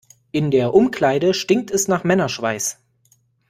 In der Umkleide stinkt es nach Männerschweiß.